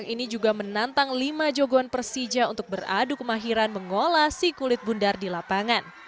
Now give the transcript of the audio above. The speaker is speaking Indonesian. ini juga menantang lima jogon persija untuk beradu kemahiran mengolasi kulit bundar di lapangan